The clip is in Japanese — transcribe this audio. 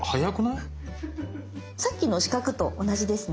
さっきの四角と同じですね。